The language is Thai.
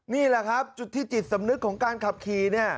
นี่แหละครับจุดที่จิตสำนึกของการขับขี่เนี่ย